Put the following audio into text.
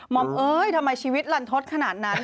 อมเอ้ยทำไมชีวิตลันทศขนาดนั้น